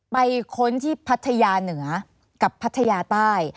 ค้นที่พัทยาเหนือกับพัทยาใต้